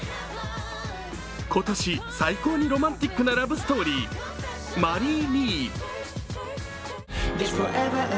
今年最高にロマンチックなラブストーリー、「マリー・ミー」。